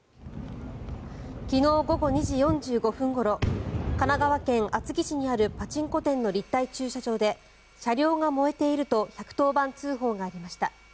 昨日午後２時４５分ごろ神奈川県厚木市にあるパチンコ店の立体駐車場で車両が燃えていると１１０番通報がありました。